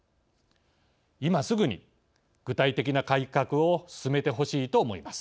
今すぐに具体的な改革を進めてほしいと思います。